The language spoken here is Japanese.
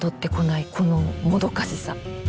このもどかしさ。